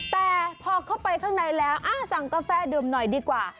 แต่พอเข้าไปข้างในแล้วสั่งกาแฟดื่มหน่อยดีกว่า